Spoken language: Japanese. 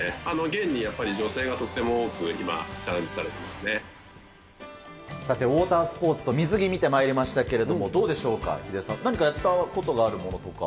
現にやっぱり、女性がとっても多く今、さて、ウォータースポーツと水着見てまいりましたけれども、どうでしょうか、ヒデさん、何かやったことあるものとか？